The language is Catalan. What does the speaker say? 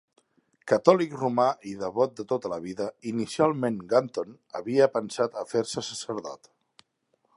Catòlic romà i devot de tota la vida, inicialment Gunton havia pensat a fer-se sacerdot.